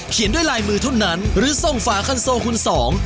ด้วยลายมือเท่านั้นหรือส่งฝาคันโซคุณสอง